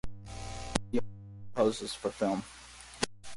Rosaly also composes for film.